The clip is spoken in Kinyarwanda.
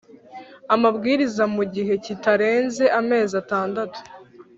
amabwiriza mu gihe kitarenze amezi atandatu